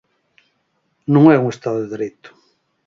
Non é un Estado de Dereito.